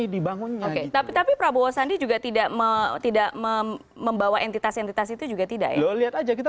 dibangun tapi prabowo sandi juga tidak mau tidak membawa entitas entitas itu juga tidak